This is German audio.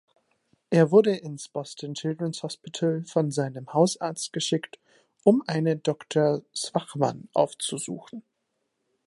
Er wurde ins Boston Children's Hospital von seinem Hausarzt geschickt, um einen Doktor Shwachman aufzusuchen.